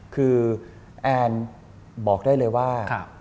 คือแอนบอกได้เลยว่า